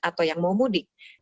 atau yang mau mudik